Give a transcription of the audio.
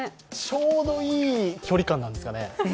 ちょうどいい距離感なんですよね。